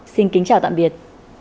xin kính chào tạm biệt